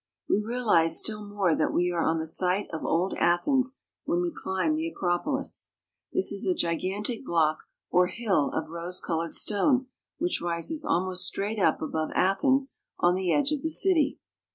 We realize still more that we are on the site of old Athens when we climb the Acropolis. This is a gigantic block or hill of rose colored stone which rises almost straight up above Athens on the edge of the city.